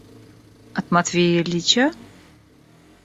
От Матвея Ильича?